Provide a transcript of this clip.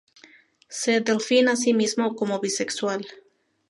Se define a sí mismo como bisexual.